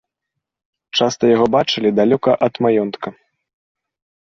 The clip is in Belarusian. Часта яго бачылі далёка ад маёнтка.